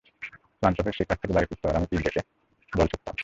ক্লান্ত হয়ে সে কাজ থেকে বাড়ি ফিরতো, আর আমি পিচ ব্যাকে বল ছুড়তাম।